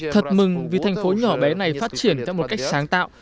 thật mừng vì thành phố nhỏ bé này phát triển theo một cách sáng tạo